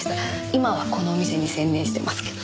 今はこのお店に専念してますけど。